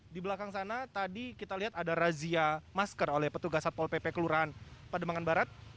di belakang sana tadi kita lihat ada razia masker oleh petugas satpol pp kelurahan pademangan barat